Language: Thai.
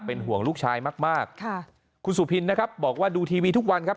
เป็นห่วงลูกชายมากคุณสุพินบอกว่าดูทีวีทุกวันครับ